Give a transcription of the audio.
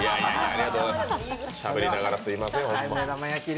しゃべりながらすみません。